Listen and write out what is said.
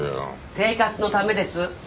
生活のためです